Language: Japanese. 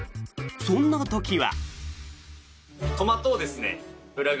そんな時は。